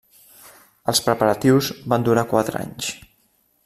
Els preparatius van durar quatre anys.